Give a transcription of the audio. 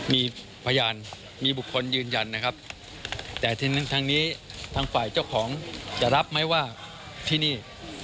มีพยานมีบุคคลยืนยันนะครับแต่ทีนี้ทางนี้ทางฝ่ายเจ้าของจะรับไหมว่าที่นี่